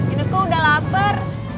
ini kok udah lapar